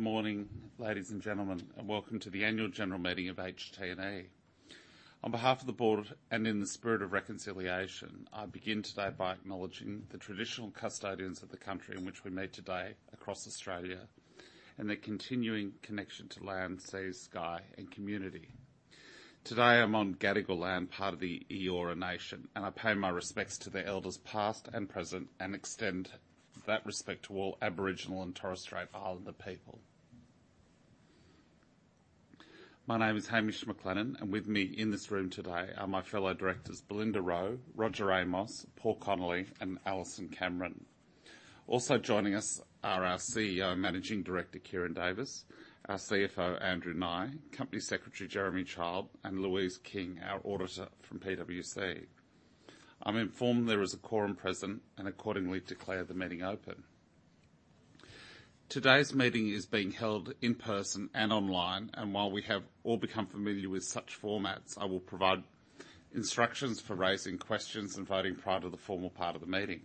Good morning, ladies and gentlemen, and welcome to the annual general meeting of HT&E. On behalf of the board, and in the spirit of reconciliation, I begin today by acknowledging the traditional custodians of the country in which we meet today across Australia, and their continuing connection to land, seas, sky, and community. Today, I'm on Gadigal land, part of the Eora Nation, and I pay my respects to the elders past and present, and extend that respect to all Aboriginal and Torres Strait Islander people. My name is Hamish McLennan, and with me in this room today are my fellow directors, Belinda Rowe, Roger Amos, Paul Connolly, and Alison Cameron. Also joining us are our CEO and Managing Director, Ciaran Davis, our CFO, Andrew Nye, Company Secretary, Jeremy Child, and Louise King, our auditor from PwC. I'm informed there is a quorum present, and accordingly declare the meeting open. Today's meeting is being held in person and online, while we have all become familiar with such formats, I will provide instructions for raising questions and voting prior to the formal part of the meeting.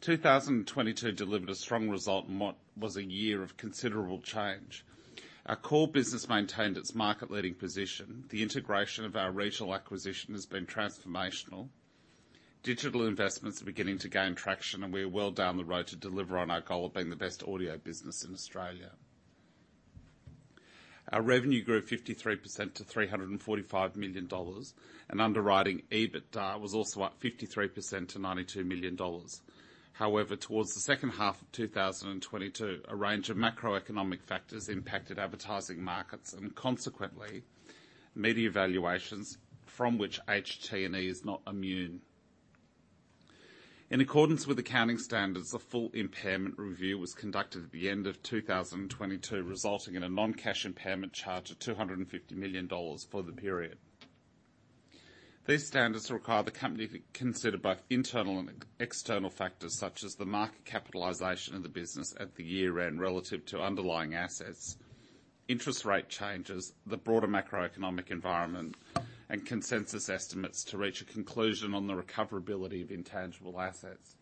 2022 delivered a strong result in what was a year of considerable change. Our core business maintained its market-leading position. The integration of our regional acquisition has been transformational. Digital investments are beginning to gain traction, we are well down the road to deliver on our goal of being the best audio business in Australia. Our revenue grew 53% to $345 million, underwriting EBITDA was also up 53% to $92 million. However, towards the second half of 2022, a range of macroeconomic factors impacted advertising markets, consequently media valuations from which HT&E is not immune. In accordance with accounting standards, a full impairment review was conducted at the end of 2022, resulting in a non-cash impairment charge of 250 million dollars for the period. These standards require the company to consider both internal and external factors, such as the market capitalization of the business at the year-end relative to underlying assets, interest rate changes, the broader macroeconomic environment, and consensus estimates to reach a conclusion on the recoverability of intangible assets.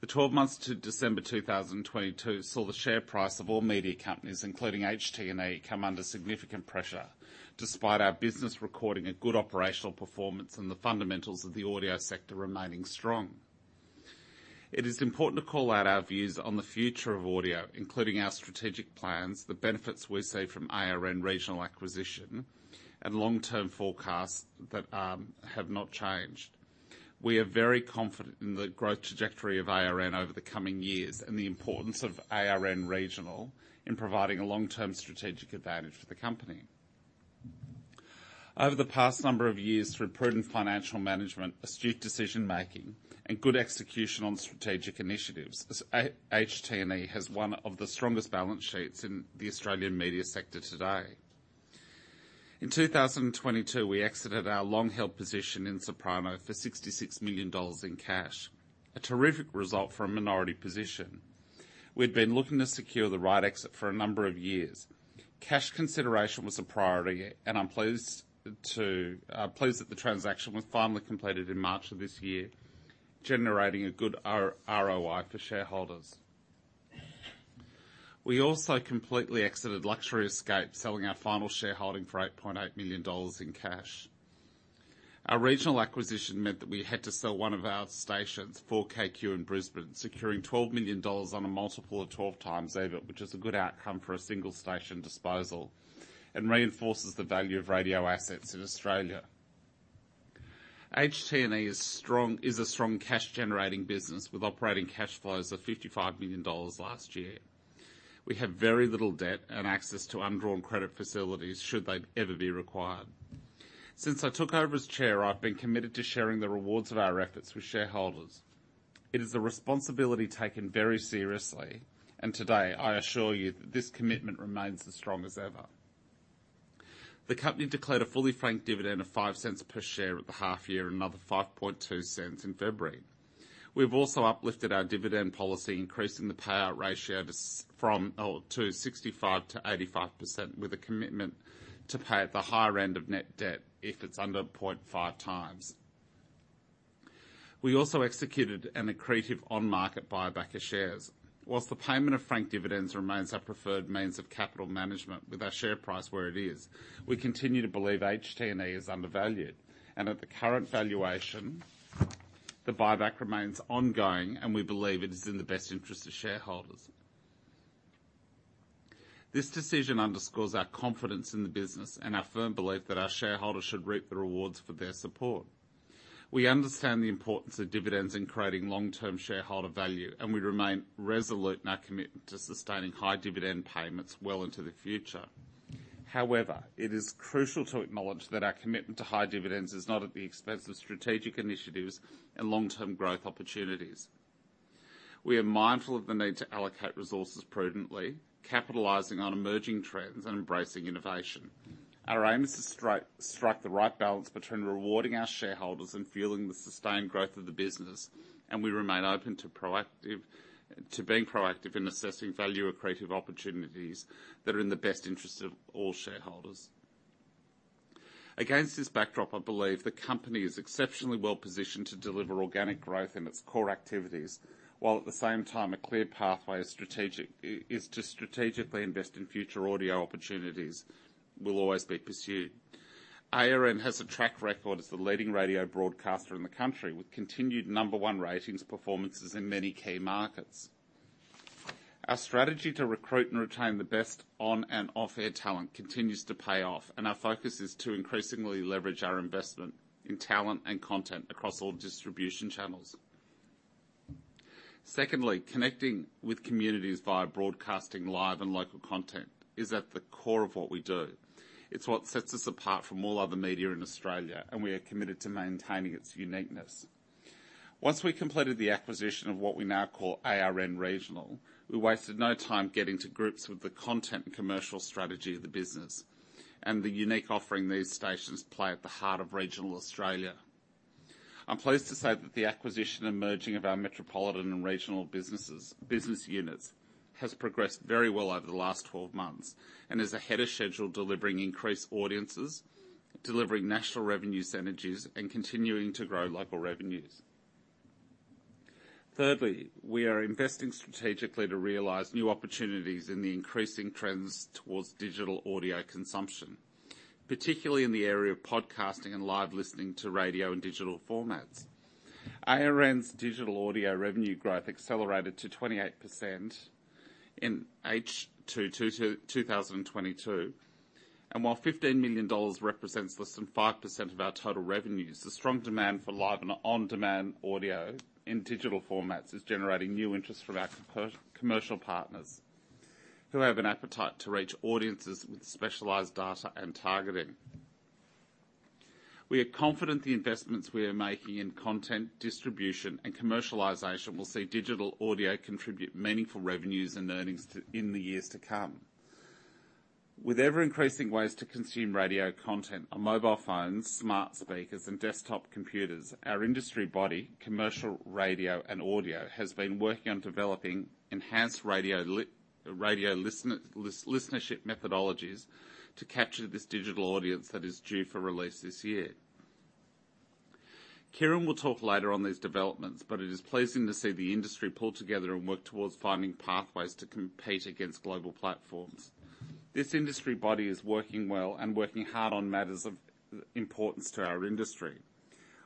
The 12 months to December 2022 saw the share price of all media companies, including HT&E, come under significant pressure despite our business recording a good operational performance and the fundamentals of the audio sector remaining strong. It is important to call out our views on the future of audio, including our strategic plans, the benefits we see from ARN Regional acquisition, and long-term forecasts that have not changed. We are very confident in the growth trajectory of ARN over the coming years and the importance of ARN Regional in providing a long-term strategic advantage for the company. Over the past number of years, through prudent financial management, astute decision-making, and good execution on strategic initiatives, HT&E has one of the strongest balance sheets in the Australian media sector today. In 2022, we exited our long-held position in Soprano for 66 million dollars in cash, a terrific result for a minority position. We'd been looking to secure the right exit for a number of years. Cash consideration was a priority. I'm pleased that the transaction was finally completed in March of this year, generating a good ROI for shareholders. We also completely exited Luxury Escapes, selling our final shareholding for 8.8 million dollars in cash. Our regional acquisition meant that we had to sell one of our stations, 4KQ in Brisbane, securing 12 million dollars on a multiple of 12 times EBIT, which is a good outcome for a single station disposal and reinforces the value of radio assets in Australia. HT&E is a strong cash-generating business with operating cash flows of 55 million dollars last year. We have very little debt and access to undrawn credit facilities should they ever be required. Since I took over as chair, I've been committed to sharing the rewards of our efforts with shareholders. It is a responsibility taken very seriously, and today, I assure you that this commitment remains as strong as ever. The company declared a fully franked dividend of 0.05 per share at the half year, another 0.052 in February. We've also uplifted our dividend policy, increasing the payout ratio to 65%-85% with a commitment to pay at the higher end of net debt if it's under 0.5 times. We also executed an accretive on-market buyback of shares. Whilst the payment of franked dividends remains our preferred means of capital management, with our share price where it is, we continue to believe HT&E is undervalued. At the current valuation, the buyback remains ongoing, and we believe it is in the best interest of shareholders. This decision underscores our confidence in the business and our firm belief that our shareholders should reap the rewards for their support. We understand the importance of dividends in creating long-term shareholder value, and we remain resolute in our commitment to sustaining high dividend payments well into the future. However, it is crucial to acknowledge that our commitment to high dividends is not at the expense of strategic initiatives and long-term growth opportunities. We are mindful of the need to allocate resources prudently, capitalizing on emerging trends and embracing innovation. Our aim is to strike the right balance between rewarding our shareholders and fueling the sustained growth of the business. We remain open to proactive to being proactive in assessing value-accretive opportunities that are in the best interest of all shareholders. Against this backdrop, I believe the company is exceptionally well-positioned to deliver organic growth in its core activities, while at the same time, a clear pathway of strategic is to strategically invest in future audio opportunities will always be pursued. ARN has a track record as the leading radio broadcaster in the country, with continued number one ratings performances in many key markets. Our strategy to recruit and retain the best on and off-air talent continues to pay off. Our focus is to increasingly leverage our investment in talent and content across all distribution channels. Secondly, connecting with communities via broadcasting live and local content is at the core of what we do. It's what sets us apart from all other media in Australia, and we are committed to maintaining its uniqueness. Once we completed the acquisition of what we now call ARN Regional, we wasted no time getting to grips with the content and commercial strategy of the business, and the unique offering these stations play at the heart of regional Australia. I'm pleased to say that the acquisition and merging of our metropolitan and regional business units has progressed very well over the last 12 months, and is ahead of schedule, delivering increased audiences, delivering national revenue synergies, and continuing to grow local revenues. Thirdly, we are investing strategically to realize new opportunities in the increasing trends towards digital audio consumption, particularly in the area of podcasting and live listening to radio and digital formats. ARN's digital audio revenue growth accelerated to 28% in H2 2022. While AUD 15 million represents less than 5% of our total revenues, the strong demand for live and on-demand audio in digital formats is generating new interest from our commercial partners, who have an appetite to reach audiences with specialized data and targeting. We are confident the investments we are making in content distribution and commercialization will see digital audio contribute meaningful revenues and earnings to, in the years to come. With ever-increasing ways to consume radio content on mobile phones, smart speakers, and desktop computers, our industry body, Commercial Radio & Audio, has been working on developing enhanced radio listenership methodologies to capture this digital audience that is due for release this year. Ciaran will talk later on these developments. It is pleasing to see the industry pull together and work towards finding pathways to compete against global platforms. This industry body is working well and working hard on matters of importance to our industry.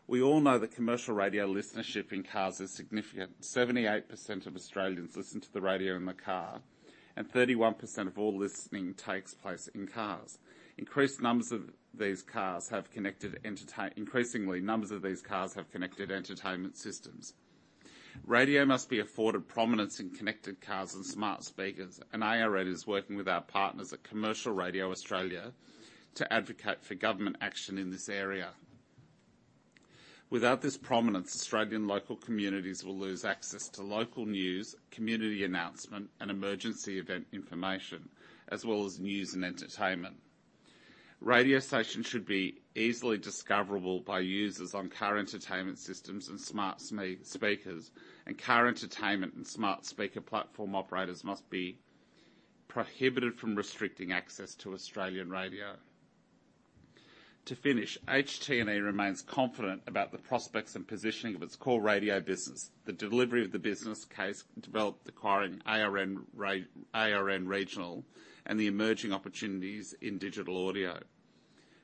We all know that commercial radio listenership in cars is significant. 78% of Australians listen to the radio in the car, and 31% of all listening takes place in cars. Increasingly, numbers of these cars have connected entertainment systems. Radio must be afforded prominence in connected cars and smart speakers. ARN is working with our partners at Commercial Radio Australia to advocate for government action in this area. Without this prominence, Australian local communities will lose access to local news, community announcement, and emergency event information, as well as news and entertainment. Radio stations should be easily discoverable by users on car entertainment systems and smart speakers. Car entertainment and smart speaker platform operators must be prohibited from restricting access to Australian radio. To finish, HT&E remains confident about the prospects and positioning of its core radio business, the delivery of the business case developed acquiring ARN Regional, and the emerging opportunities in digital audio.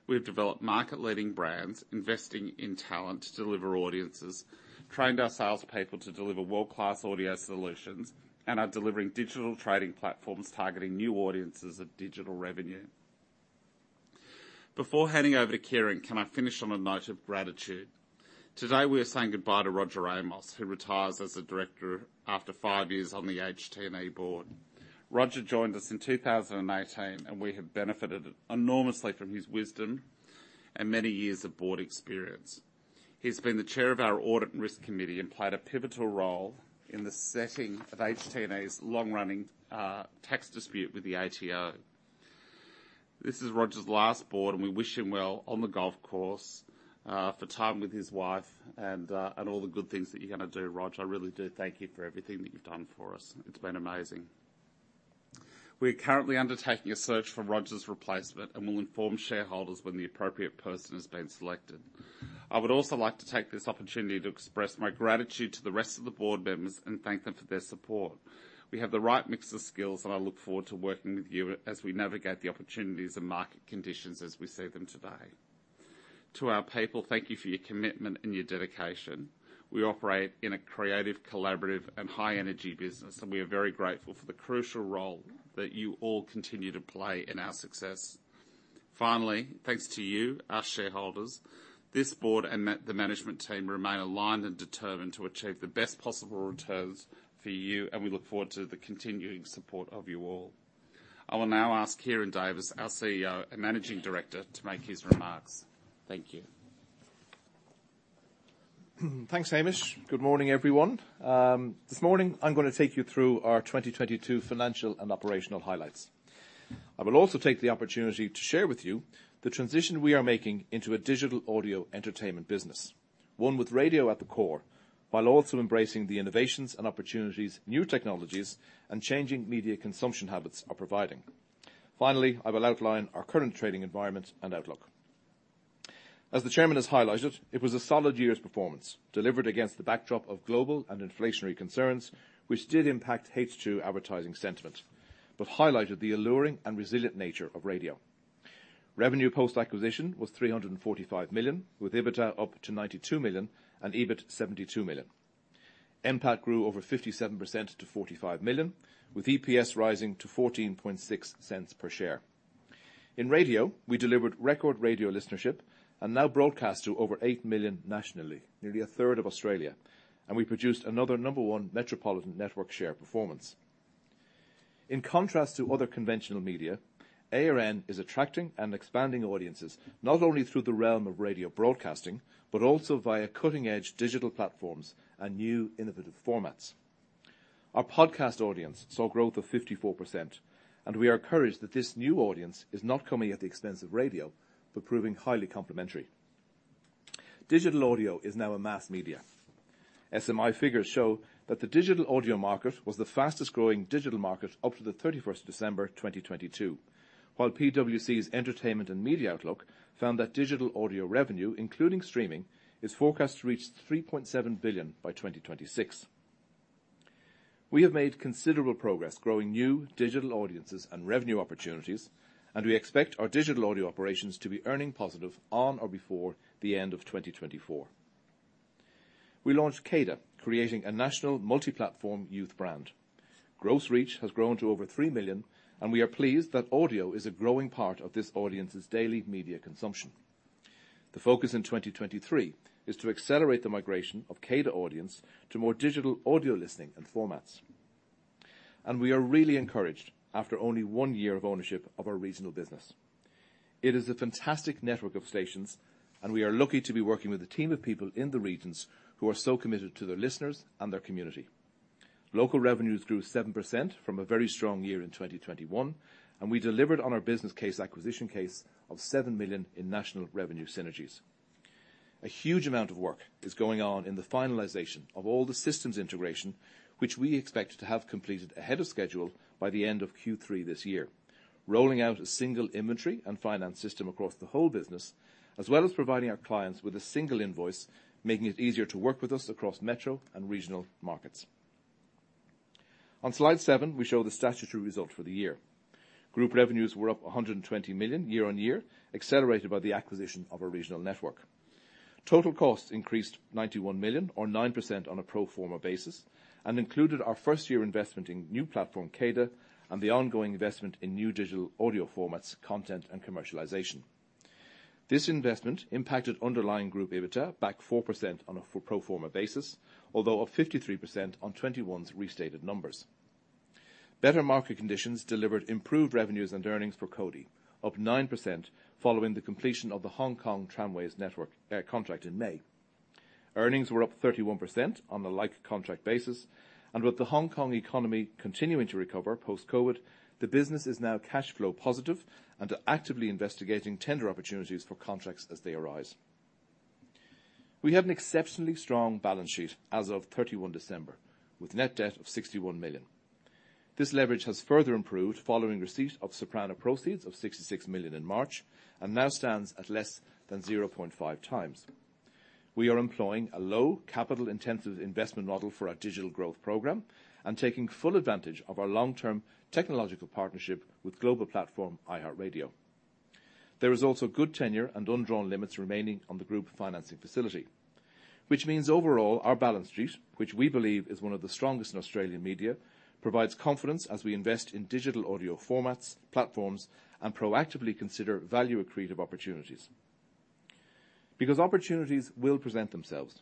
We've developed market-leading brands, investing in talent to deliver audiences, trained our sales people to deliver world-class audio solutions, and are delivering digital trading platforms targeting new audiences of digital revenue. Before handing over to Ciaran, can I finish on a note of gratitude? Today, we are saying goodbye to Roger Amos, who retires as a director after five years on the HT&E board. Roger joined us in 2018, and we have benefited enormously from his wisdom and many years of board experience. He's been the chair of our audit and risk committee and played a pivotal role in the setting of HT&E's long-running tax dispute with the ATO. This is Roger's last board, and we wish him well on the golf course, for time with his wife and all the good things that you're gonna do, Roger. I really do thank you for everything that you've done for us. It's been amazing. We are currently undertaking a search for Roger's replacement and will inform shareholders when the appropriate person has been selected. I would also like to take this opportunity to express my gratitude to the rest of the board members and thank them for their support. We have the right mix of skills, and I look forward to working with you as we navigate the opportunities and market conditions as we see them today. To our people, thank you for your commitment and your dedication. We operate in a creative, collaborative, and high-energy business, and we are very grateful for the crucial role that you all continue to play in our success. Finally, thanks to you, our shareholders. This board and the management team remain aligned and determined to achieve the best possible returns for you, and we look forward to the continuing support of you all. I will now ask Ciaran Davis, our CEO and Managing Director, to make his remarks. Thank you. Thanks, Hamish. Good morning, everyone. This morning, I'm gonna take you through our 2022 financial and operational highlights. I will also take the opportunity to share with you the transition we are making into a digital audio entertainment business. One with radio at the core, while also embracing the innovations and opportunities, new technologies, and changing media consumption habits are providing. Finally, I will outline our current trading environment and outlook. As the chairman has highlighted, it was a solid year's performance, delivered against the backdrop of global and inflationary concerns, which did impact H2 advertising sentiment, but highlighted the alluring and resilient nature of radio. Revenue post-acquisition was 345 million, with EBITDA up to 92 million, and EBIT 72 million. NPAT grew over 57% to 45 million, with EPS rising to 0.146 per share. In radio, we delivered record radio listenership and now broadcast to over 8 million nationally, nearly a third of Australia. We produced another number one metropolitan network share performance. In contrast to other conventional media, ARN is attracting and expanding audiences, not only through the realm of radio broadcasting, but also via cutting-edge digital platforms and new innovative formats. Our podcast audience saw growth of 54%. We are encouraged that this new audience is not coming at the expense of radio, but proving highly complementary. Digital audio is now a mass media. SMI figures show that the digital audio market was the fastest-growing digital market up to the 31st of December 2022, while PwC's Global Entertainment & Media Outlook found that digital audio revenue, including streaming, is forecast to reach 3.7 billion by 2026. We have made considerable progress growing new digital audiences and revenue opportunities, and we expect our digital audio operations to be earning positive on or before the end of 2024. We launched CADA, creating a national multi-platform youth brand. Gross reach has grown to over 3 million, and we are pleased that audio is a growing part of this audience's daily media consumption. The focus in 2023 is to accelerate the migration of CADA audience to more digital audio listening and formats. We are really encouraged after only 1 year of ownership of our regional business. It is a fantastic network of stations, and we are lucky to be working with a team of people in the regions who are so committed to their listeners and their community. Local revenues grew 7% from a very strong year in 2021. We delivered on our business case acquisition case of 7 million in national revenue synergies. A huge amount of work is going on in the finalization of all the systems integration, which we expect to have completed ahead of schedule by the end of Q3 this year. Rolling out a single inventory and finance system across the whole business, as well as providing our clients with a single invoice, making it easier to work with us across metro and regional markets. On Slide 7, we show the statutory result for the year. Group revenues were up 120 million year-on-year, accelerated by the acquisition of a regional network. Total costs increased 91 million or 9% on a pro forma basis. Included our first-year investment in new platform, CADA, and the ongoing investment in new digital audio formats, content, and commercialization. This investment impacted underlying group EBITDA back 4% on a pro forma basis, although up 53% on 2021's restated numbers. Better market conditions delivered improved revenues and earnings for Cody, up 9% following the completion of the Hong Kong Tramways network contract in May. Earnings were up 31% on a like contract basis. With the Hong Kong economy continuing to recover post-COVID, the business is now cash flow positive and are actively investigating tender opportunities for contracts as they arise. We have an exceptionally strong balance sheet as of 31 December, with net debt of 61 million. This leverage has further improved following receipt of Soprano proceeds of 66 million in March and now stands at less than 0.5 times. We are employing a low capital-intensive investment model for our digital growth program and taking full advantage of our long-term technological partnership with global platform iHeartRadio. There is also good tenure and undrawn limits remaining on the group financing facility, which means overall, our balance sheet, which we believe is one of the strongest in Australian media, provides confidence as we invest in digital audio formats, platforms, and proactively consider value-accretive opportunities. Opportunities will present themselves.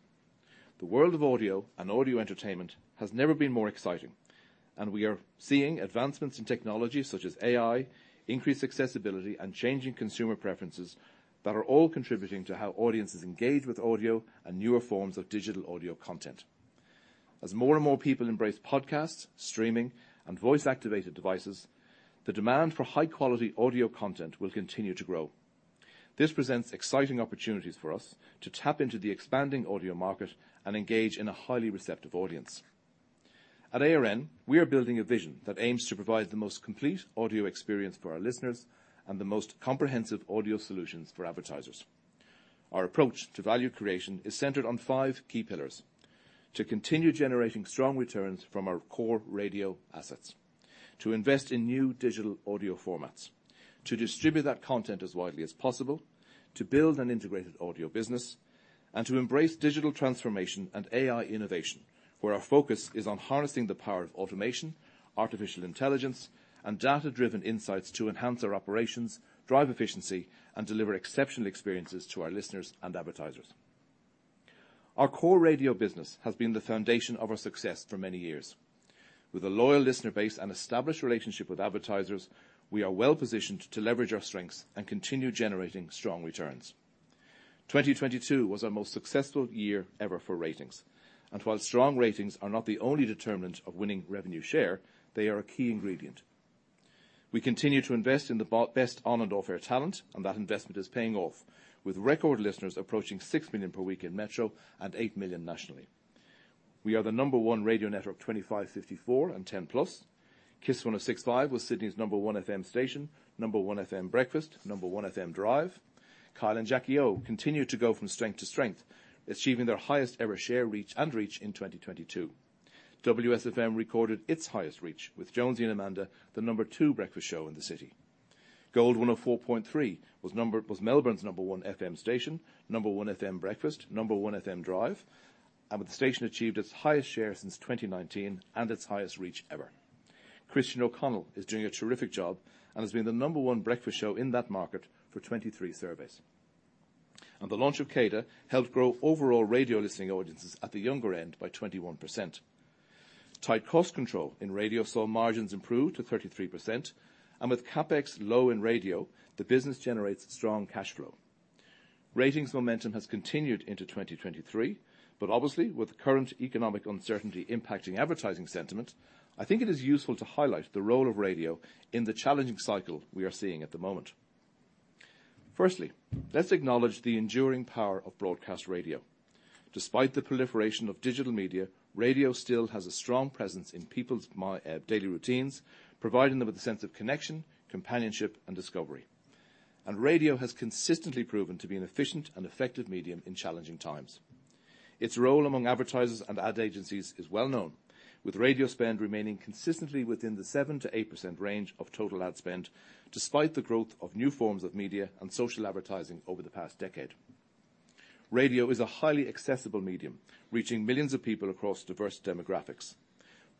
The world of audio and audio entertainment has never been more exciting, and we are seeing advancements in technology such as AI, increased accessibility, and changing consumer preferences that are all contributing to how audiences engage with audio and newer forms of digital audio content. As more and more people embrace podcasts, streaming, and voice-activated devices, the demand for high-quality audio content will continue to grow. This presents exciting opportunities for us to tap into the expanding audio market and engage in a highly receptive audience. At ARN, we are building a vision that aims to provide the most complete audio experience for our listeners and the most comprehensive audio solutions for advertisers. Our approach to value creation is centered on five key pillars: to continue generating strong returns from our core radio assets, to invest in new digital audio formats, to distribute that content as widely as possible, to build an integrated audio business, and to embrace digital transformation and AI innovation, where our focus is on harnessing the power of automation, artificial intelligence, and data-driven insights to enhance our operations, drive efficiency, and deliver exceptional experiences to our listeners and advertisers. Our core radio business has been the foundation of our success for many years. With a loyal listener base and established relationship with advertisers, we are well-positioned to leverage our strengths and continue generating strong returns. 2022 was our most successful year ever for ratings. While strong ratings are not the only determinant of winning revenue share, they are a key ingredient. We continue to invest in the best on and off-air talent, and that investment is paying off with record listeners approaching 6 million per week in Metro and 8 million nationally. We are the number one radio network 25-54 and 10+. KIIS 1065 was Sydney's number one FM station, number one FM breakfast, number one FM drive. Kyle and Jackie O continue to go from strength to strength, achieving their highest ever share reach and reach in 2022. WSFM recorded its highest reach with Jonesy & Amanda, the number two breakfast show in the city. Gold 104.3 was Melbourne's number 1 FM station, number 1 FM breakfast, number 1 FM drive, and with the station achieved its highest share since 2019 and its highest reach ever. Christian O'Connell is doing a terrific job and has been the number 1 breakfast show in that market for 23 surveys. The launch of CADA helped grow overall radio listening audiences at the younger end by 21%. Tight cost control in radio saw margins improve to 33%, and with CapEx low in radio, the business generates strong cash flow. Ratings momentum has continued into 2023. Obviously, with the current economic uncertainty impacting advertising sentiment, I think it is useful to highlight the role of radio in the challenging cycle we are seeing at the moment. Firstly, let's acknowledge the enduring power of broadcast radio. Despite the proliferation of digital media, radio still has a strong presence in people's daily routines, providing them with a sense of connection, companionship, and discovery. Radio has consistently proven to be an efficient and effective medium in challenging times. Its role among advertisers and ad agencies is well known, with radio spend remaining consistently within the 7%-8% range of total ad spend despite the growth of new forms of media and social advertising over the past decade. Radio is a highly accessible medium, reaching millions of people across diverse demographics.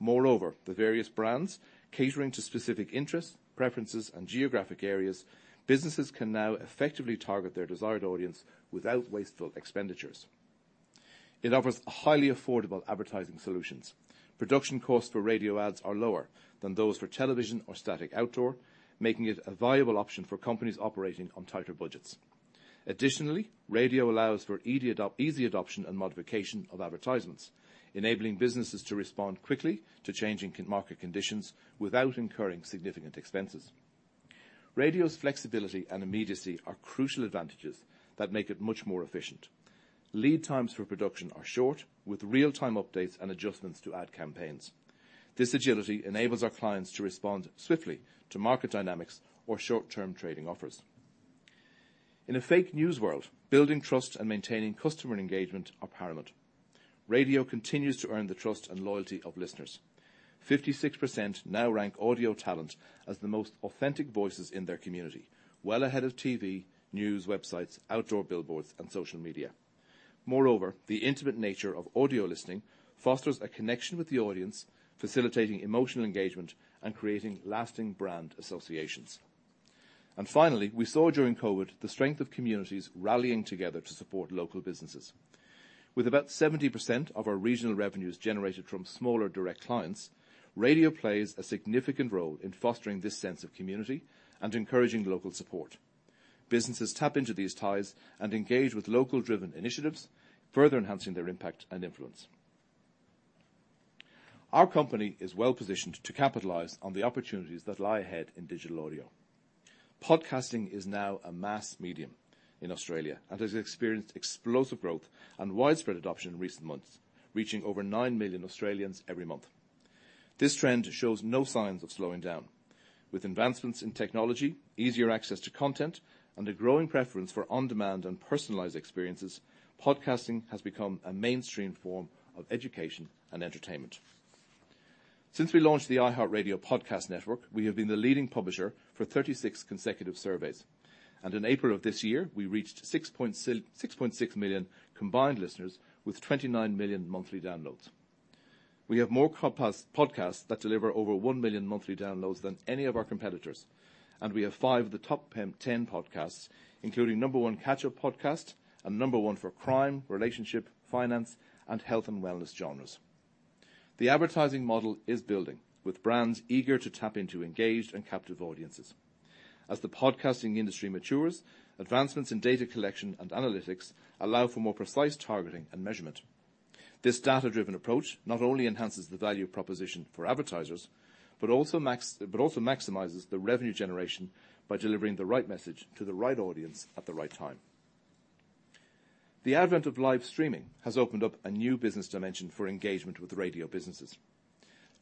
The various brands catering to specific interests, preferences, and geographic areas, businesses can now effectively target their desired audience without wasteful expenditures. It offers highly affordable advertising solutions. Production costs for radio ads are lower than those for television or static outdoor, making it a viable option for companies operating on tighter budgets. Additionally, radio allows for easy adoption and modification of advertisements, enabling businesses to respond quickly to changing market conditions without incurring significant expenses. Radio's flexibility and immediacy are crucial advantages that make it much more efficient. Lead times for production are short, with real-time updates and adjustments to ad campaigns. This agility enables our clients to respond swiftly to market dynamics or short-term trading offers. In a fake news world, building trust and maintaining customer engagement are paramount. Radio continues to earn the trust and loyalty of listeners. 56% now rank audio talent as the most authentic voices in their community, well ahead of TV, news websites, outdoor billboards, and social media. Moreover, the intimate nature of audio listening fosters a connection with the audience, facilitating emotional engagement and creating lasting brand associations. Finally, we saw during COVID the strength of communities rallying together to support local businesses. With about 70% of our regional revenues generated from smaller direct clients, radio plays a significant role in fostering this sense of community and encouraging local support. Businesses tap into these ties and engage with local-driven initiatives, further enhancing their impact and influence. Our company is well-positioned to capitalize on the opportunities that lie ahead in digital audio. Podcasting is now a mass medium in Australia and has experienced explosive growth and widespread adoption in recent months, reaching over 9 million Australians every month. This trend shows no signs of slowing down. With advancements in technology, easier access to content, and a growing preference for on-demand and personalized experiences, podcasting has become a mainstream form of education and entertainment. Since we launched the iHeartRadio Podcast Network, we have been the leading publisher for 36 consecutive surveys, and in April of this year, we reached 6.6 million combined listeners with 29 million monthly downloads. We have more podcasts that deliver over 1 million monthly downloads than any of our competitors, and we have 5 of the top 10 podcasts, including number 1 Catch Up podcast and number 1 for crime, relationship, finance, and health and wellness genres. The advertising model is building, with brands eager to tap into engaged and captive audiences. As the podcasting industry matures, advancements in data collection and analytics allow for more precise targeting and measurement. This data-driven approach not only enhances the value proposition for advertisers, but also maximizes the revenue generation by delivering the right message to the right audience at the right time. The advent of live streaming has opened up a new business dimension for engagement with radio businesses.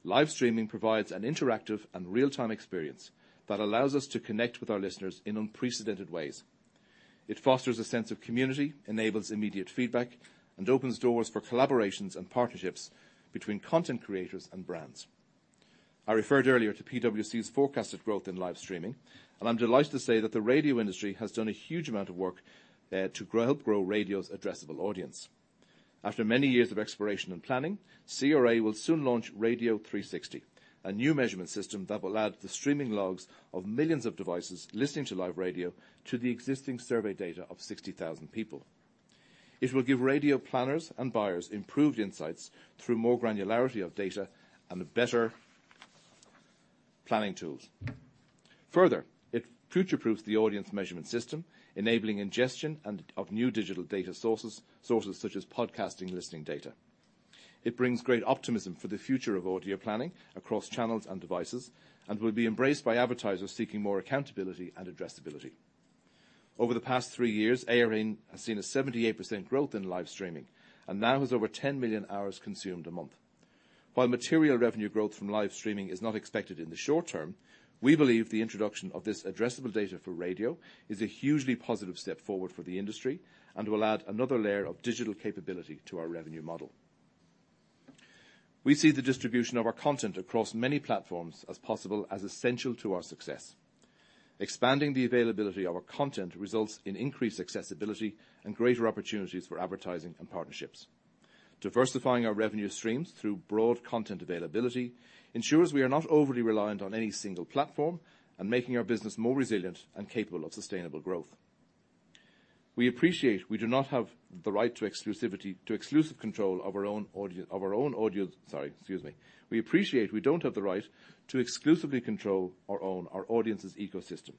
Live streaming provides an interactive and real-time experience that allows us to connect with our listeners in unprecedented ways. It fosters a sense of community, enables immediate feedback, and opens doors for collaborations and partnerships between content creators and brands. I referred earlier to PwC's forecasted growth in live streaming, and I'm delighted to say that the radio industry has done a huge amount of work to help grow radio's addressable audience. After many years of exploration and planning, CRA will soon launch Radio 360, a new measurement system that will add the streaming logs of millions of devices listening to live radio to the existing survey data of 60,000 people. It will give radio planners and buyers improved insights through more granularity of data and better planning tools. Further, it future-proofs the audience measurement system, enabling ingestion and of new digital data sources such as podcasting listening data. It brings great optimism for the future of audio planning across channels and devices, and will be embraced by advertisers seeking more accountability and addressability. Over the past three years, ARN has seen a 78% growth in live streaming, and now has over 10 million hours consumed a month. While material revenue growth from live streaming is not expected in the short term, we believe the introduction of this addressable data for radio is a hugely positive step forward for the industry and will add another layer of digital capability to our revenue model. We see the distribution of our content across many platforms as possible as essential to our success. Expanding the availability of our content results in increased accessibility and greater opportunities for advertising and partnerships. Diversifying our revenue streams through broad content availability ensures we are not overly reliant on any single platform and making our business more resilient and capable of sustainable growth. We appreciate we do not have the right to exclusive control of our own audio. Sorry, excuse me. We appreciate we don't have the right to exclusively control our own, our audience's ecosystem,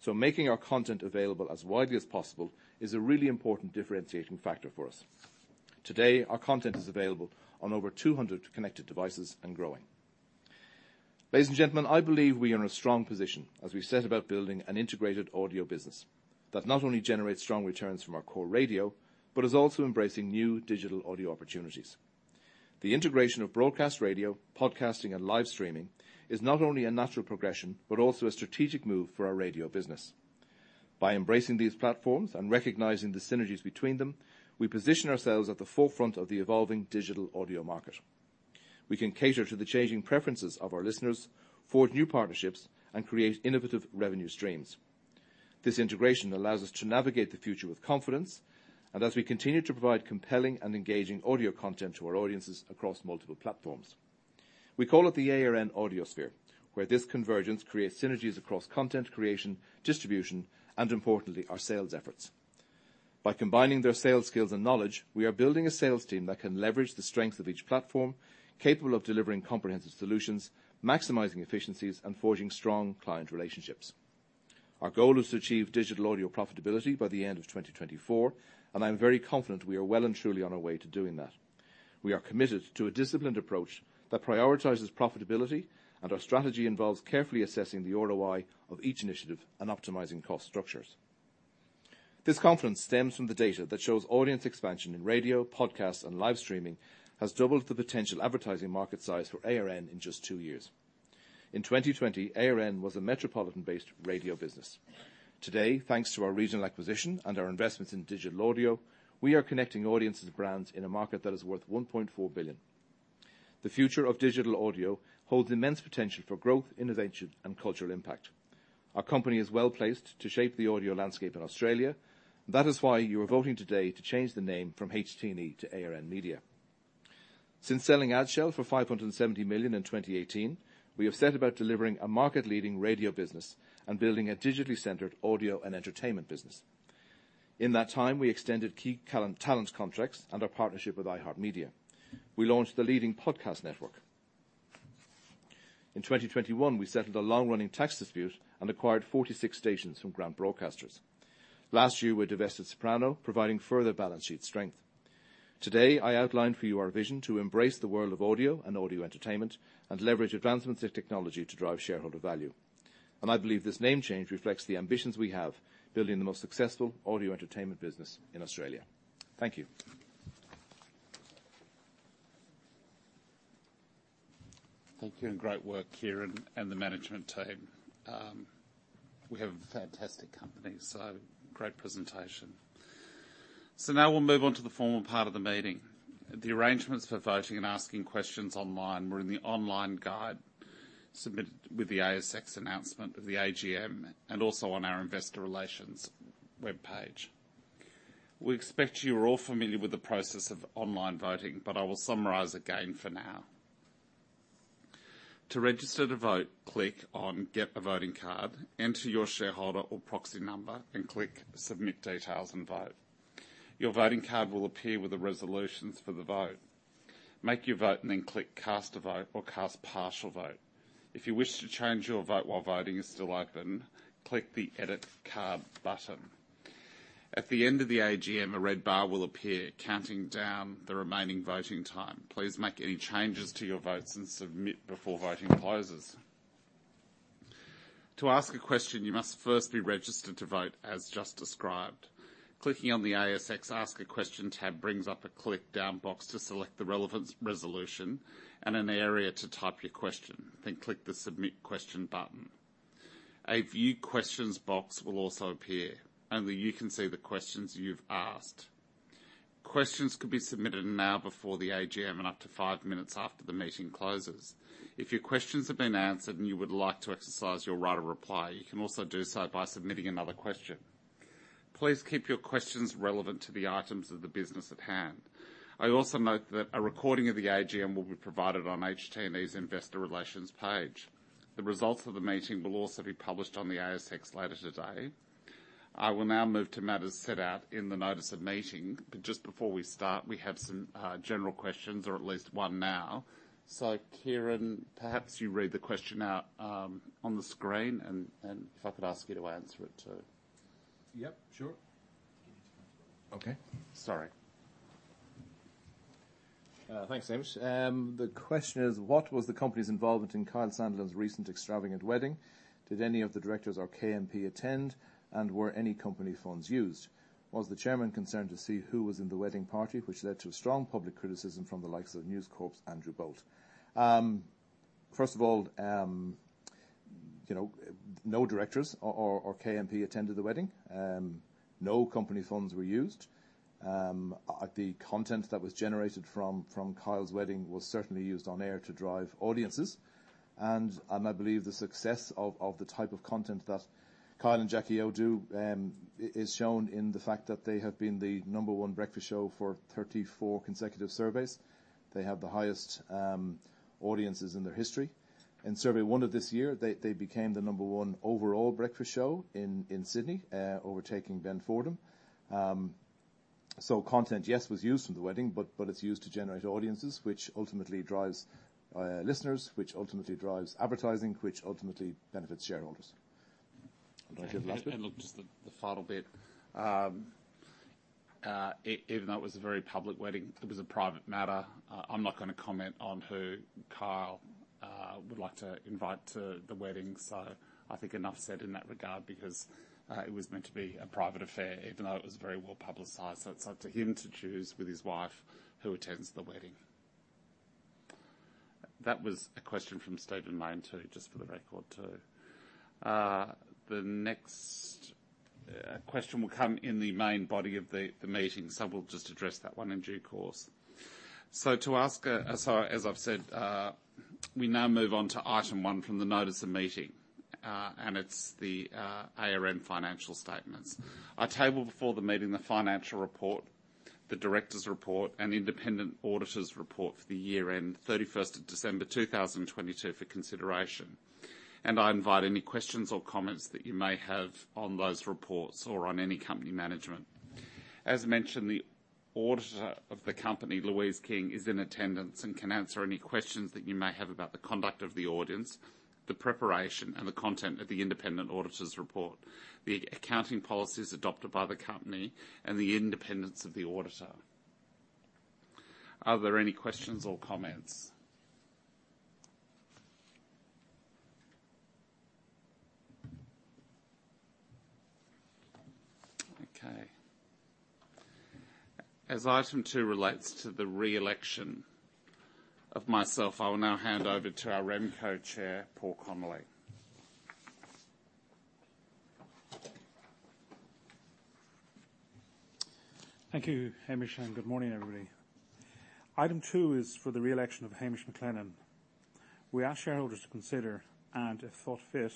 so making our content available as widely as possible is a really important differentiating factor for us. Today, our content is available on over 200 connected devices and growing. Ladies and gentlemen, I believe we are in a strong position as we set about building an integrated audio business that not only generates strong returns from our core radio, but is also embracing new digital audio opportunities. The integration of broadcast radio, podcasting, and live streaming is not only a natural progression, but also a strategic move for our radio business. By embracing these platforms and recognizing the synergies between them, we position ourselves at the forefront of the evolving digital audio market. We can cater to the changing preferences of our listeners, forge new partnerships, and create innovative revenue streams. This integration allows us to navigate the future with confidence and as we continue to provide compelling and engaging audio content to our audiences across multiple platforms. We call it the ARN Audiosphere, where this convergence creates synergies across content creation, distribution, and importantly, our sales efforts. By combining their sales skills and knowledge, we are building a sales team that can leverage the strength of each platform, capable of delivering comprehensive solutions, maximizing efficiencies, and forging strong client relationships. Our goal is to achieve digital audio profitability by the end of 2024, and I'm very confident we are well and truly on our way to doing that. We are committed to a disciplined approach that prioritizes profitability, and our strategy involves carefully assessing the ROI of each initiative and optimizing cost structures. This confidence stems from the data that shows audience expansion in radio, podcasts, and live streaming has doubled the potential advertising market size for ARN in just two years. In 2020, ARN was a metropolitan-based radio business. Today, thanks to our regional acquisition and our investments in digital audio, we are connecting audiences and brands in a market that is worth 1.4 billion. The future of digital audio holds immense potential for growth, innovation, and cultural impact. Our company is well-placed to shape the audio landscape in Australia. That is why you are voting today to change the name from HT&E to ARN Media. Since selling Adshel for 570 million in 2018, we have set about delivering a market-leading radio business and building a digitally centered audio and entertainment business. In that time, we extended key talent contracts and our partnership with iHeartMedia. We launched the leading podcast network. In 2021, we settled a long-running tax dispute and acquired 46 stations from Grant Broadcasters. Last year, we divested Soprano, providing further balance sheet strength. Today, I outlined for you our vision to embrace the world of audio and audio entertainment and leverage advancements in technology to drive shareholder value. I believe this name change reflects the ambitions we have building the most successful audio entertainment business in Australia. Thank you. Thank you, great work, Ciaran and the management team. We have a fantastic company, great presentation. Now we'll move on to the formal part of the meeting. The arrangements for voting and asking questions online were in the online guide submitted with the ASX announcement of the AGM and also on our investor relations webpage. We expect you're all familiar with the process of online voting, I will summarize again for now. To register to vote, click on Get a Voting Card, enter your shareholder or proxy number, and click Submit Details and Vote. Your voting card will appear with the resolutions for the vote. Make your vote and then click Cast a Vote or Cast Partial Vote. If you wish to change your vote while voting is still open, click the Edit Card button. At the end of the AGM, a red bar will appear counting down the remaining voting time. Please make any changes to your votes and submit before voting closes. To ask a question, you must first be registered to vote as just described. Clicking on the ASX Ask a Question tab brings up a click-down box to select the relevant resolution and an area to type your question, then click the Submit Question button. A View Questions box will also appear. Only you can see the questions you've asked. Questions could be submitted now before the AGM and up to five minutes after the meeting closes. If your questions have been answered and you would like to exercise your right of reply, you can also do so by submitting another question. Please keep your questions relevant to the items of the business at hand. I also note that a recording of the AGM will be provided on HT&E's investor relations page. The results of the meeting will also be published on the ASX later today. I will now move to matters set out in the notice of meeting. Just before we start, we have some general questions, or at least one now. Ciaran, perhaps you read the question out on the screen and if I could ask you to answer it too. Yep, sure. Okay. Sorry. Thanks, Hamish. The question is: What was the company's involvement in Kyle Sandilands' recent extravagant wedding? Did any of the directors or KMP attend? Were any company funds used? Was the chairman concerned to see who was in the wedding party, which led to a strong public criticism from the likes of News Corp's Andrew Bolt? First of all, you know, no directors or KMP attended the wedding. No company funds were used. The content that was generated from Kyle's wedding was certainly used on air to drive audiences. I believe the success of the type of content that Kyle and Jackie O do is shown in the fact that they have been the number one breakfast show for 34 consecutive surveys. They have the highest audiences in their history. In survey 1 of this year, they became the number 1 overall breakfast show in Sydney, overtaking Ben Fordham. Content, yes, was used from the wedding, but it's used to generate audiences, which ultimately drives listeners, which ultimately drives advertising, which ultimately benefits shareholders. Look, just the final bit. Even though it was a very public wedding, it was a private matter. I'm not gonna comment on who Kyle would like to invite to the wedding. I think enough said in that regard because it was meant to be a private affair, even though it was very well-publicized. It's up to him to choose with his wife who attends the wedding. That was a question from Stephen Mayne, too, just for the record too. The next question will come in the main body of the meeting, we'll just address that one in due course. To ask, as I've said, we now move on to Item 1 from the notice of meeting, and it's the ARN financial statements. I table before the meeting the financial report, the director's report, and independent auditor's report for the year-end 31st of December, 2022 for consideration. I invite any questions or comments that you may have on those reports or on any company management. As mentioned, the auditor of the company, Louise King, is in attendance and can answer any questions that you may have about the conduct of the audience, the preparation and the content of the independent auditor's report, the accounting policies adopted by the company, and the independence of the auditor. Are there any questions or comments? Okay. As Item 2 relates to the reelection of myself, I will now hand over to our RemCo Chair, Paul Connolly. Thank you, Hamish. Good morning, everybody. Item 2 is for the reelection of Hamish McLennan. We ask shareholders to consider, and if thought fit,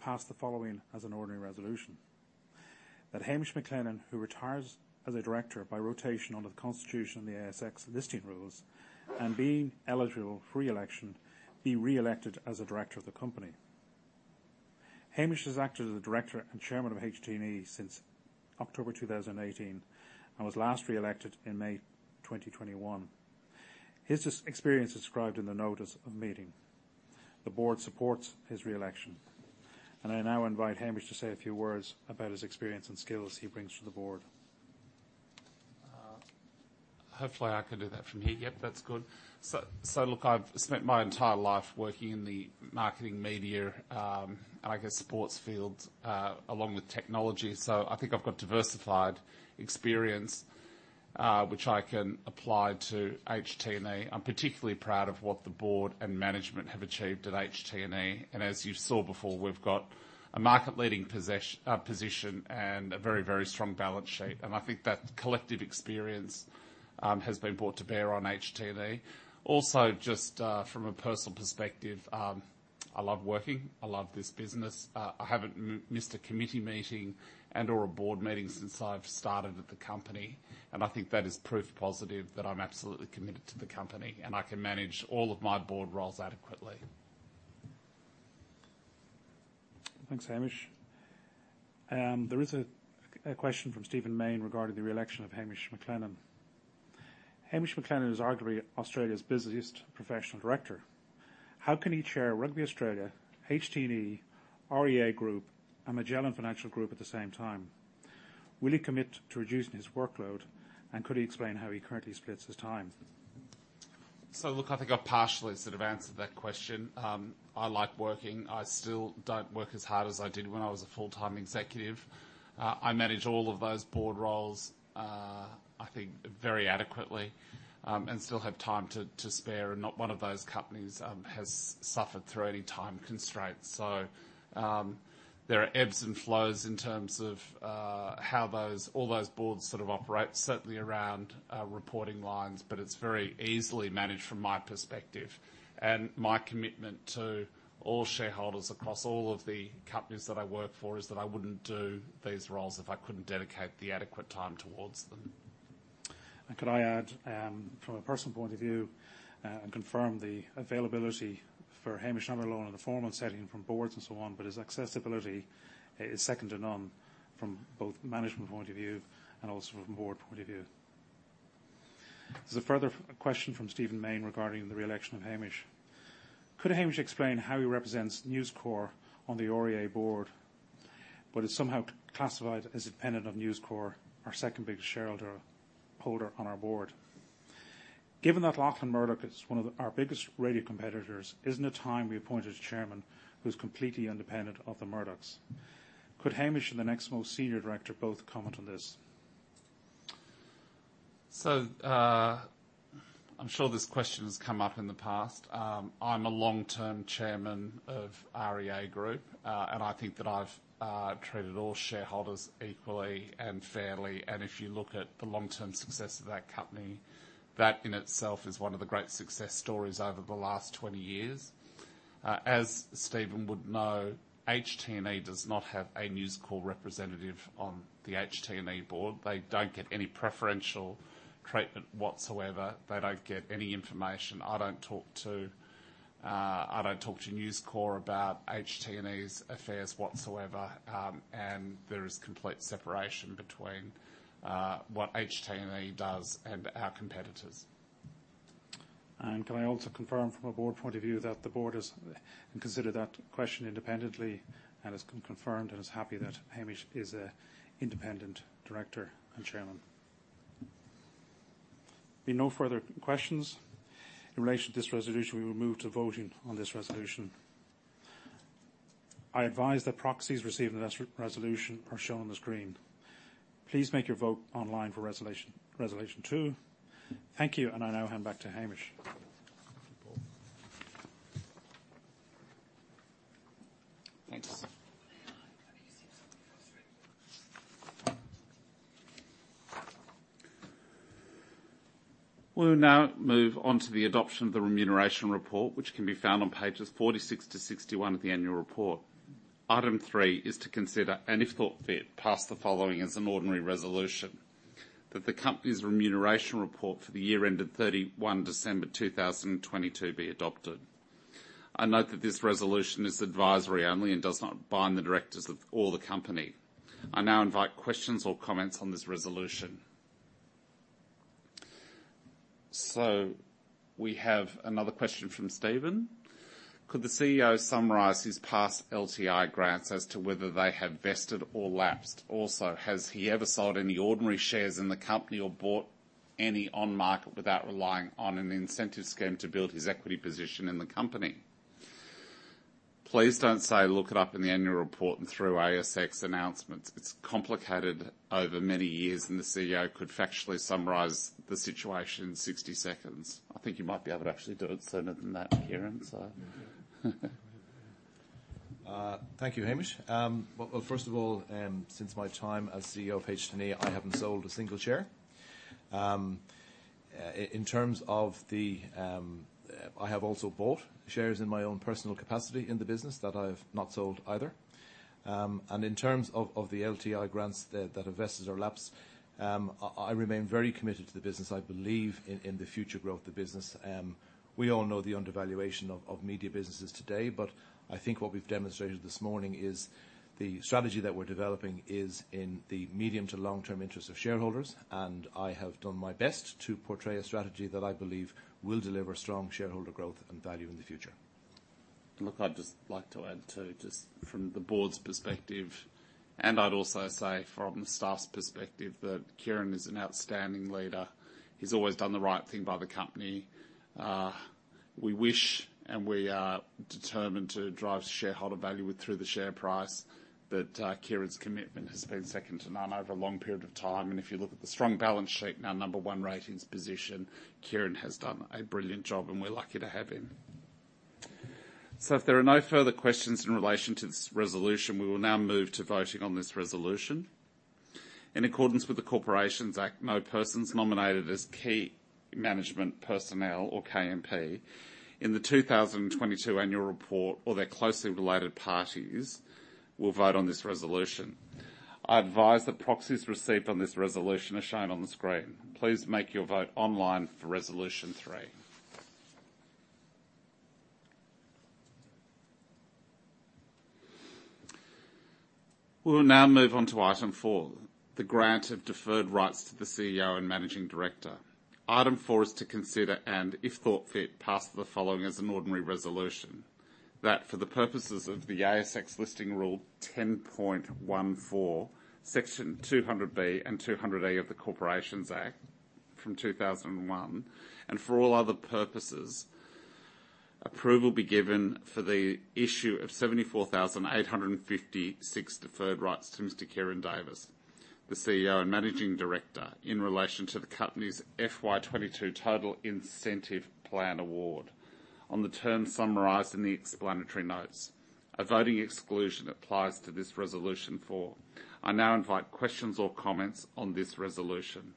pass the following as an ordinary resolution. That Hamish McLennan, who retires as a director by rotation under the Constitution of the ASX Listing Rules, and being eligible for reelection, be reelected as a director of the company. Hamish has acted as a director and chairman of HT&E since October 2018 and was last reelected in May 2021. His experience is described in the notice of meeting. The board supports his reelection. I now invite Hamish to say a few words about his experience and skills he brings to the board. Hopefully I can do that from here. That's good. I've spent my entire life working in the marketing media, and I guess sports fields, along with technology. I think I've got diversified experience, which I can apply to HT&E. I'm particularly proud of what the board and management have achieved at HT&E. As you saw before, we've got a market-leading position and a very, very strong balance sheet. I think that collective experience has been brought to bear on HT&E. Also, just from a personal perspective, I love working. I love this business. I haven't missed a committee meeting and/or a board meeting since I've started at the company, and I think that is proof positive that I'm absolutely committed to the company, and I can manage all of my board roles adequately. Thanks, Hamish. There is a question from Stephen Mayne regarding the reelection of Hamish McLennan. Hamish McLennan is arguably Australia's busiest professional director. How can he chair Rugby Australia, HT&E, REA Group, and Magellan Financial Group at the same time? Will he commit to reducing his workload, and could he explain how he currently splits his time? Look, I think I've partially sort of answered that question. I like working. I still don't work as hard as I did when I was a full-time executive. I manage all of those board roles, I think very adequately, and still have time to spare, and not one of those companies, has suffered through any time constraints. There are ebbs and flows in terms of, how those, all those boards sort of operate, certainly around, reporting lines, but it's very easily managed from my perspective. My commitment to all shareholders across all of the companies that I work for is that I wouldn't do these roles if I couldn't dedicate the adequate time towards them. Could I add, from a personal point of view, and confirm the availability for Hamish, not alone in a formal setting from boards and so on, but his accessibility is second to none from both management point of view and also from board point of view. There's a further question from Stephen Mayne regarding the reelection of Hamish. Could Hamish explain how he represents News Corp on the REA board, but is somehow classified as independent of News Corp, our second biggest shareholder on our board? Given that Lachlan Murdoch is one of our biggest radio competitors, isn't it time we appointed a chairman who's completely independent of the Murdochs? Could Hamish and the next most senior director both comment on this? I'm sure this question has come up in the past. I'm a long-term chairman of REA Group, and I think that I've treated all shareholders equally and fairly. If you look at the long-term success of that company, that in itself is one of the great success stories over the last 20 years. As Stephen would know, HT&E does not have a News Corp representative on the HT&E board. They don't get any preferential treatment whatsoever. They don't get any information. I don't talk to, I don't talk to News Corp about HT&E's affairs whatsoever. There is complete separation between what HT&E does and our competitors. Can I also confirm from a board point of view that the board has considered that question independently and has confirmed and is happy that Hamish is a independent Director and Chairman. Be no further questions in relation to this resolution. We will move to voting on this resolution. I advise that proxies received in this resolution are shown on the screen. Please make your vote online for Resolution 2. Thank you. I now hand back to Hamish. Thank you, Paul. Thanks. We will now move on to the adoption of the remuneration report, which can be found on pages 46 to 61 of the annual report. Item 3 is to consider, and if thought fit, pass the following as an ordinary resolution. That the company's remuneration report for the year ended 31 December 2022 be adopted. I note that this resolution is advisory only and does not bind the directors of all the company. I now invite questions or comments on this resolution. We have another question from Stephen. Could the CEO summarize his past LTI grants as to whether they have vested or lapsed? Also, has he ever sold any ordinary shares in the company or bought any on market without relying on an incentive scheme to build his equity position in the company? Please don't say, "Look it up in the annual report and through ASX announcements." It's complicated over many years. The CEO could factually summarize the situation in 60 seconds. I think you might be able to actually do it sooner than that, Ciaran. Thank you, Hamish. First of all, since my time as CEO of HT&E, I haven't sold a single share. I have also bought shares in my own personal capacity in the business that I've not sold either. In terms of the LTI grants that have vested or lapsed, I remain very committed to the business. I believe in the future growth of the business. We all know the undervaluation of media businesses today. I think what we've demonstrated this morning is the strategy that we're developing is in the medium to long-term interest of shareholders. I have done my best to portray a strategy that I believe will deliver strong shareholder growth and value in the future. Look, I'd just like to add, too, just from the board's perspective, and I'd also say from staff's perspective, that Ciaran is an outstanding leader. He's always done the right thing by the company. We wish and we are determined to drive shareholder value through the share price. Ciaran's commitment has been second to none over a long period of time. If you look at the strong balance sheet and our number 1 ratings position, Ciaran has done a brilliant job, and we're lucky to have him. If there are no further questions in relation to this resolution, we will now move to voting on this resolution. In accordance with the Corporations Act, no persons nominated as key management personnel or KMP in the 2022 annual report or their closely related parties will vote on this resolution. I advise that proxies received on this resolution are shown on the screen. Please make your vote online for Resolution 3. We will now move on to Item 4, the grant of deferred rights to the CEO and Managing Director. Item 4 is to consider, and if thought fit, pass the following as an ordinary resolution. That for the purposes of the ASX Listing Rule 10.14, section 200B and 200A of the Corporations Act 2001, and for all other purposes, approval be given for the issue of 74,856 deferred rights to Mr. Ciaran Davis, the CEO and Managing Director, in relation to the company's FY22 Total Incentive Plan award on the terms summarized in the explanatory notes. A voting exclusion applies to this Resolution 4. I now invite questions or comments on this resolution.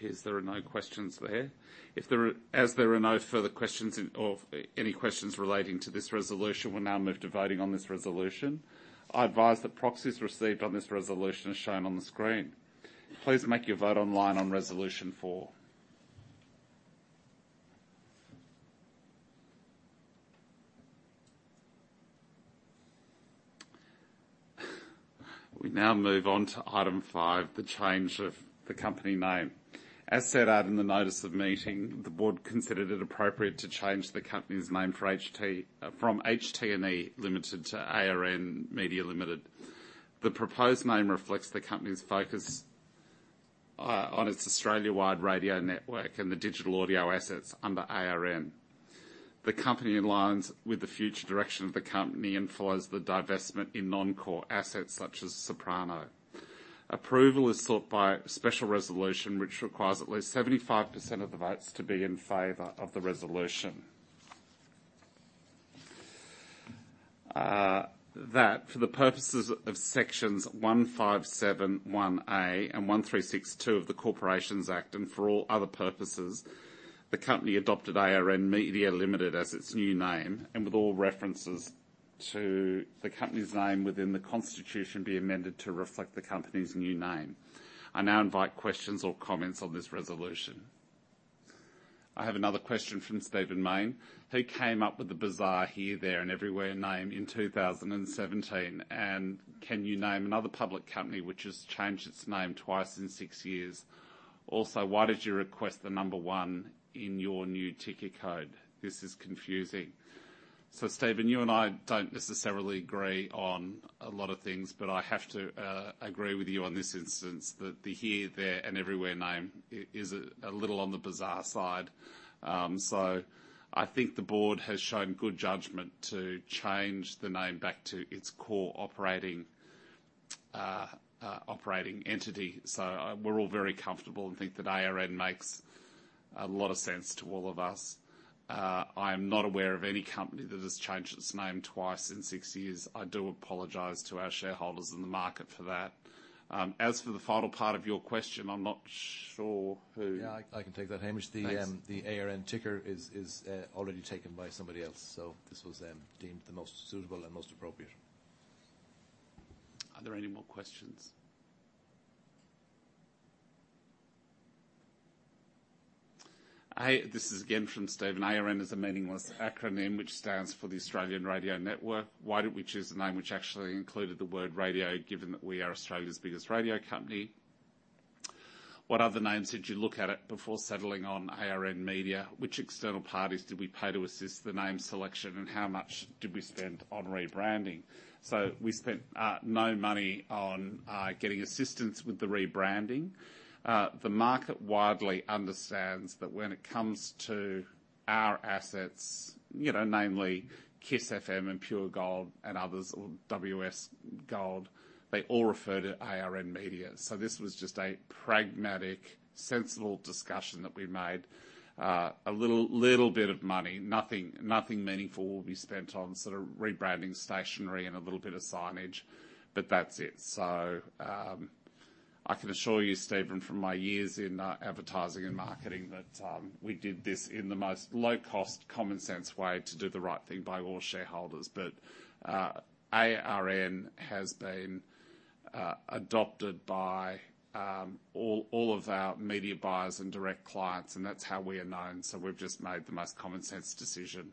Appears there are no questions there. As there are no further questions in or any questions relating to this resolution, we'll now move to voting on this resolution. I advise that proxies received on this resolution are shown on the screen. Please make your vote online on Resolution 4. We now move on to Item 5, the change of the company name. As set out in the notice of meeting, the board considered it appropriate to change the company's name from HT&E Limited to ARN Media Limited. The proposed name reflects the company's focus on its Australia-wide radio network and the digital audio assets under ARN. The company aligns with the future direction of the company and follows the divestment in non-core assets such as Soprano. Approval is sought by special resolution, which requires at least 75% of the votes to be in favor of the resolution. That for the purposes of sections 157(1)(a) and 136(2) of the Corporations Act, and for all other purposes, the company adopted ARN Media Limited as its new name, and with all references to the company's name within the Constitution be amended to reflect the company's new name. I now invite questions or comments on this resolution. I have another question from Stephen Mayne. Who came up with the bizarre Here, There & Everywhere name in 2017? Can you name another public company which has changed its name twice in six years? Also, why did you request the 1 in your new ticker code? This is confusing. Stephen, you and I don't necessarily agree on a lot of things, but I have to agree with you on this instance, that the Here, There & Everywhere name is a little on the bizarre side. I think the board has shown good judgment to change the name back to its core operating entity. We're all very comfortable and think that ARN makes a lot of sense to all of us. I am not aware of any company that has changed its name twice in six years. I do apologize to our shareholders in the market for that. As for the final part of your question, I'm not sure. Yeah, I can take that, Hamish. Thanks. The ARN ticker is already taken by somebody else, so this was deemed the most suitable and most appropriate. Are there any more questions? This is again from Stephen. ARN is a meaningless acronym which stands for the Australian Radio Network. Why didn't we choose a name which actually included the word radio, given that we are Australia's biggest radio company? What other names did you look at it before settling on ARN Media? Which external parties did we pay to assist the name selection, and how much did we spend on rebranding? We spent no money on getting assistance with the rebranding. The market widely understands that when it comes to our assets, you know, namely KIIS FM and Pure Gold and others, or WS Gold, they all refer to ARN Media. This was just a pragmatic, sensible discussion that we made. A little bit of money, nothing meaningful will be spent on sort of rebranding stationery and a little bit of signage, that's it. I can assure you, Stephen, from my years in advertising and marketing that we did this in the most low-cost, common sense way to do the right thing by all shareholders. ARN has been adopted by all of our media buyers and direct clients, and that's how we are known, so we've just made the most common sense decision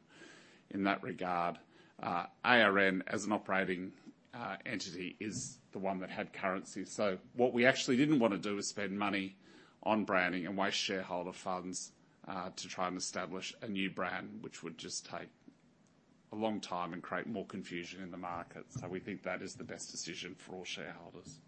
in that regard. ARN, as an operating entity, is the one that had currency. What we actually didn't wanna do was spend money on branding and waste shareholder funds to try and establish a new brand, which would just take a long time and create more confusion in the market. We think that is the best decision for all shareholders.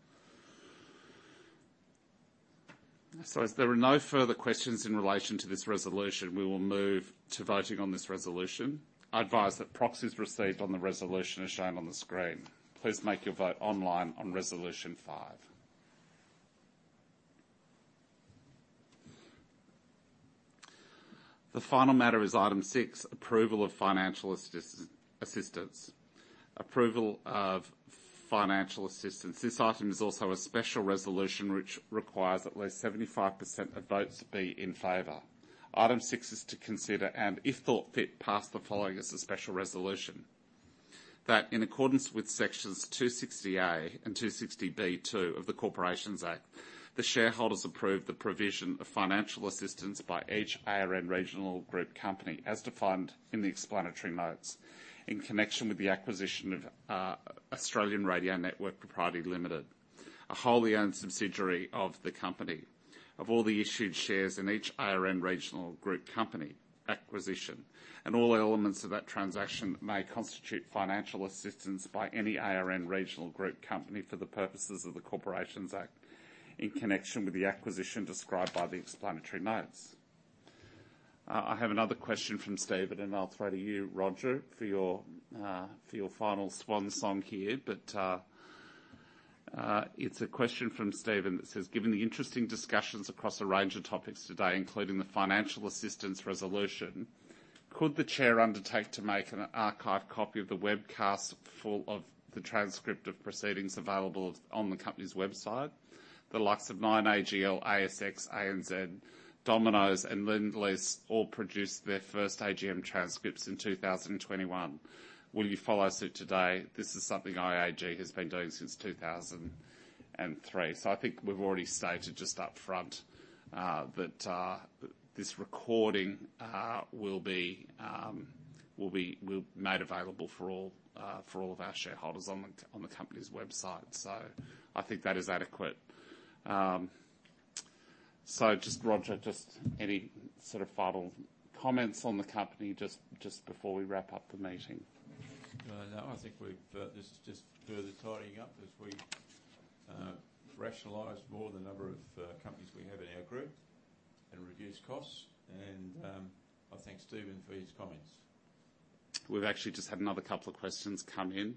As there are no further questions in relation to this resolution, we will move to voting on this resolution. I advise that proxies received on the resolution are shown on the screen. Please make your vote online on Resolution 5. The final matter is Item 6, approval of financial assistance. Approval of financial assistance. This item is also a special resolution which requires at least 75% of votes be in favor. Item 6 is to consider, and if thought fit, pass the following as a special resolution. In accordance with sections 260A and 260B(2) of the Corporations Act, the shareholders approve the provision of financial assistance by each ARN Regional group company, as defined in the explanatory notes, in connection with the acquisition of Australian Radio Network Proprietary Limited, a wholly owned subsidiary of the company. Of all the issued shares in each ARN Regional group company acquisition, all elements of that transaction may constitute financial assistance by any ARN Regional group company for the purposes of the Corporations Act in connection with the acquisition described by the explanatory notes. I have another question from Stephen, I'll throw to you, Roger, for your final swan song here. It's a question from Stephen that says, given the interesting discussions across a range of topics today, including the financial assistance resolution, could the chair undertake to make an archive copy of the webcast full of the transcript of proceedings available on the company's website? The likes of Nine, AGL, ASX, ANZ, Domino's, and Lendlease all produced their first AGM transcripts in 2021. Will you follow suit today? This is something IAG has been doing since 2003. I think we've already stated just upfront that this recording will be made available for all for all of our shareholders on the company's website. I think that is adequate. Just Roger, just any sort of final comments on the company just before we wrap up the meeting. No. I think we've, this is just further tidying up as we, rationalize more the number of companies we have in our group and reduce costs. I thank Stephen for his comments. We've actually just had another couple of questions come in.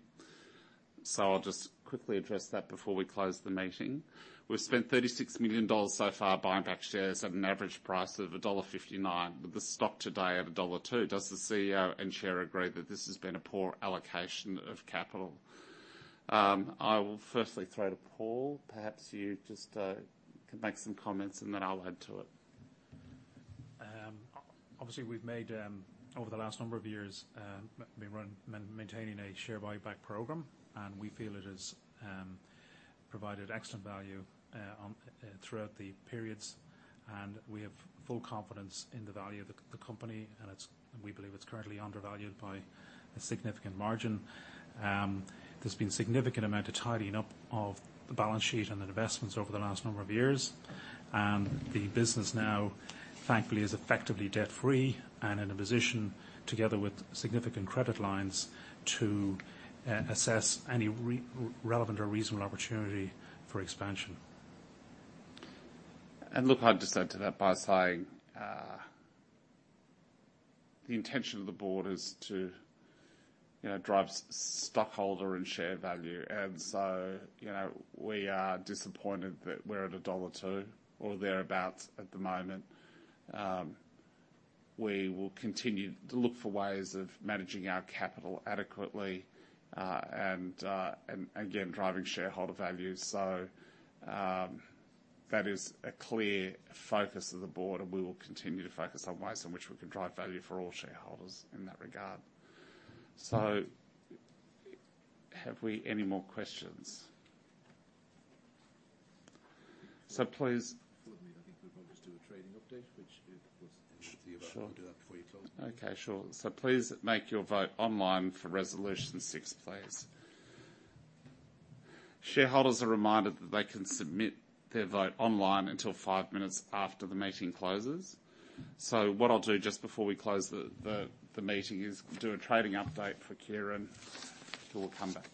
I'll just quickly address that before we close the meeting. We've spent 36 million dollars so far buying back shares at an average price of dollar 1.59, with the stock today at dollar 1.02. Does the CEO and Chair agree that this has been a poor allocation of capital? I will firstly throw to Paul. Perhaps you just can make some comments, and then I'll add to it. Obviously we've made, over the last number of years, maintaining a share buyback program. We feel it has provided excellent value on throughout the periods. We have full confidence in the value of the company, we believe it's currently undervalued by a significant margin. There's been significant amount of tidying up of the balance sheet and the investments over the last number of years. The business now, thankfully, is effectively debt-free and in a position, together with significant credit lines, to assess any relevant or reasonable opportunity for expansion. Look, I'd just add to that by saying, the intention of the board is to, you know, drive stockholder and share value. You know, we are disappointed that we're at dollar 1.02 or thereabout at the moment. We will continue to look for ways of managing our capital adequately, and again, driving shareholder value. That is a clear focus of the board, and we will continue to focus on ways in which we can drive value for all shareholders in that regard. Have we any more questions? Please- Well, I mean, I think we would always do a trading update, which is, of course. Sure. We'll do that before you close. Okay, sure. Please make your vote online for Resolution 6, please. Shareholders are reminded that they can submit their vote online until 5 minutes after the meeting closes. What I'll do just before we close the meeting is do a trading update for Ciaran, who will come back.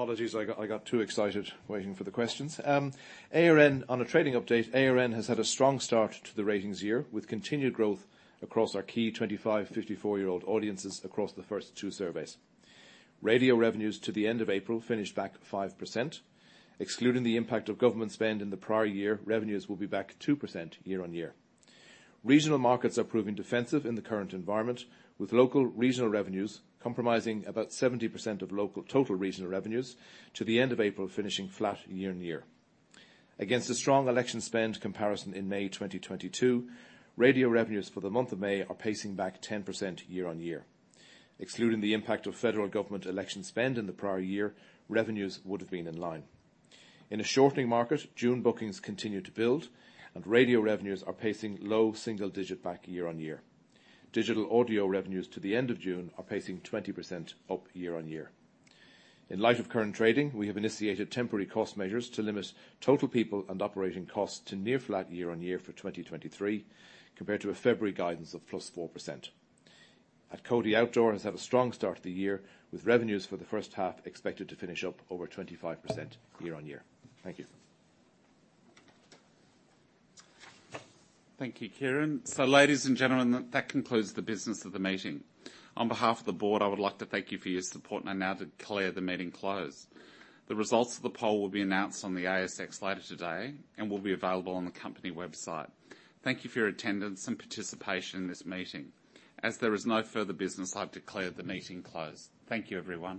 Apologies, I got too excited waiting for the questions. ARN. On a trading update, ARN has had a strong start to the ratings year, with continued growth across our key 25, 54-year-old audiences across the first two surveys. Radio revenues to the end of April finished back 5%. Excluding the impact of government spend in the prior year, revenues will be back 2% year-on-year. Regional markets are proving defensive in the current environment, with local regional revenues compromising about 70% of total regional revenues to the end of April, finishing flat year-on-year. Against a strong election spend comparison in May 2022, radio revenues for the month of May are pacing back 10% year-on-year. Excluding the impact of federal government election spend in the prior year, revenues would have been in line. In a shortening market, June bookings continued to build, and radio revenues are pacing low single-digit back year-on-year. Digital audio revenues to the end of June are pacing 20% up year-on-year. In light of current trading, we have initiated temporary cost measures to limit total people and operating costs to near flat year-on-year for 2023 compared to a February guidance of 4%+. At CODY Outdoor has had a strong start to the year, with revenues for the first half expected to finish up over 25% year-on-year. Thank you. Thank you, Ciaran. Ladies and gentlemen, that concludes the business of the meeting. On behalf of the board, I would like to thank you for your support and I now declare the meeting closed. The results of the poll will be announced on the ASX later today and will be available on the company website. Thank you for your attendance and participation in this meeting. As there is no further business, I've declared the meeting closed. Thank you, everyone.